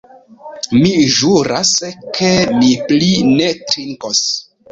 Mi ĵuras, ke mi pli ne drinkos.